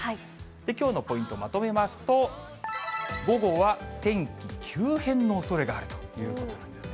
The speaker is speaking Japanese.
きょうのポイントまとめますと、午後は天気急変のおそれがあるということなんですね。